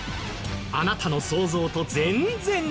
あなたの想像と全然違う！